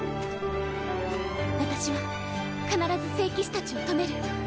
私は必ず聖騎士たちを止める。